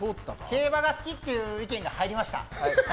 競馬が好きっていう意見が入りました。